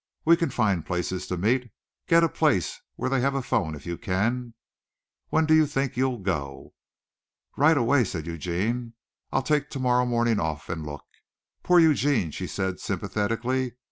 We can find places to meet. Get a place where they have a phone if you can. When do you think you'll go?" "Right away," said Eugene. "I'll take tomorrow morning off and look." "Poor Eugene," she said sympathetically.